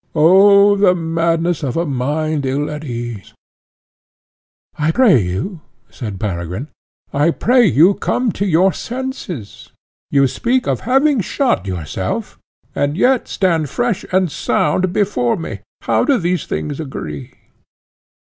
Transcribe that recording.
Oh, the madness of a mind ill at ease!" "I pray you," said Peregrine, "I pray you come to your senses. You speak of having shot yourself, and yet stand fresh and sound before me. How do these things agree?"